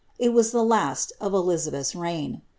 It was the last of Elizabeth's reign.